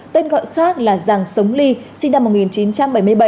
tên gọi khác là giàng sống ly sinh năm một nghìn chín trăm bảy mươi bảy